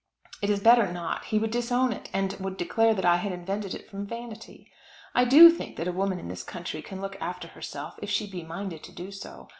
It is better not; he would disown it, and would declare that I had invented it from vanity. I do think that a woman in this country can look after herself if she be minded so to do.